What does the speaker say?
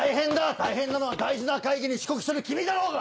大変なのは大事な会議に遅刻してる君だろうが！